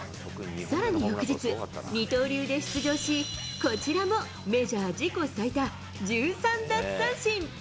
さらに翌日、二刀流で出場し、こちらもメジャー自己最多、１３奪三振。